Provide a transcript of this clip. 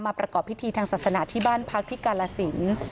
ประกอบพิธีทางศาสนาที่บ้านพักที่กาลสิน